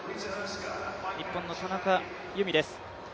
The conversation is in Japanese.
日本の田中佑美です。